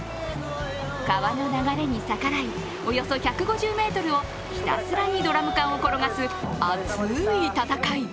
川の流れに逆らい、およそ１５０ｍをひたすらにドラム缶を転がす熱い戦い。